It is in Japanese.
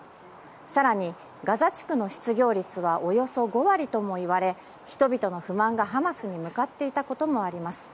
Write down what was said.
更に、ガザ地区の失業率はおよそ５割ともいわれ人々の不満がハマスに向かっていたこともあります。